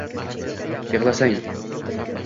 Yig’lasang